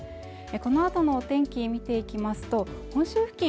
このあとのお天気見ていきますと本州付近